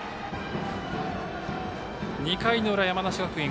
２回の裏、山梨学院。